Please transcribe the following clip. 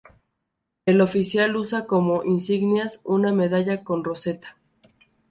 El Oficial usa como insignias una medalla con roseta.